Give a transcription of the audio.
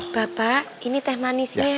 bapak ini teh manisnya